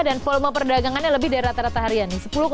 dan volume perdagangannya lebih dari rata rata harian